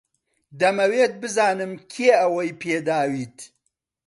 دەمەوێت بزانم کێ ئەوەی پێداویت.